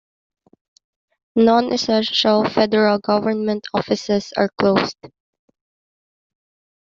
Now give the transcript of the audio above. Non-essential federal government offices are closed.